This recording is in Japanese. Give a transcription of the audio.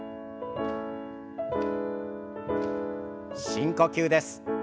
深呼吸です。